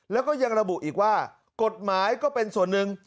แล้วก็ยังระบุอีกว่ากฎหมายก็เป็นส่วนหนึ่ง